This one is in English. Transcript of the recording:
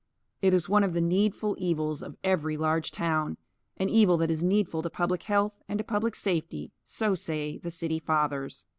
It is one of the needful evils of every large town an evil that is needful to public health and to public safety, so say the city fathers.